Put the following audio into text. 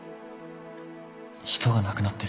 人が亡くなってる